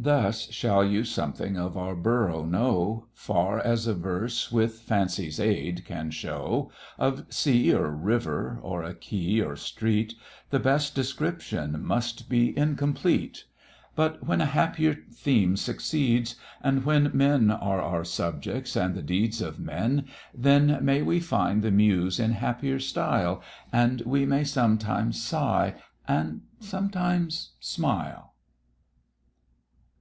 Thus shall you something of our BOROUGH know, Far as a verse, with Fancy's aid, can show. Of Sea or River, of a Quay or Street, The best description must be incomplete; But when a happier theme succeeds, and when Men are our subjects and the deeds of men, Then may we find the Muse in happier style, And we may sometimes sigh and sometimes smile.